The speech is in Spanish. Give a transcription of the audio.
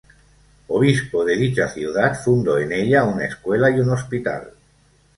Obispo de dicha ciudad, fundó en ella una escuela y un hospital.